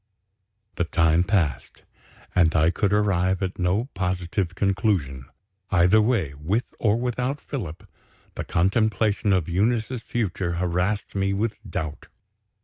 The time passed and I could arrive at no positive conclusion. Either way with or without Philip the contemplation of Eunice's future harassed me with doubt.